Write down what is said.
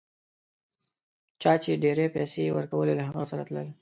چا چي ډېرې پیسې ورکولې له هغه سره تلل.